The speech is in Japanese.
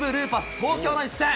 東京の一戦。